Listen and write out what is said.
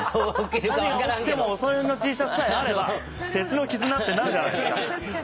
何が起きてもお揃いのＴシャツさえあれば鉄の絆ってなるじゃないですか。